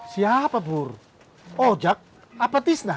siapa purr ojak apa tisna